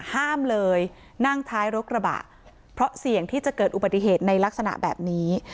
ห้ามเลยนั่งท้ายรถกระบะเพราะเสี่ยงที่จะเกิดอุบัติเหตุในลักษณะแบบนี้